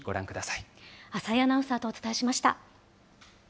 浅井アナウンサーとお伝えしました。